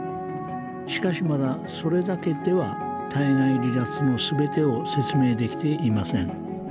しかしまだそれだけでは体外離脱の全てを説明できていません。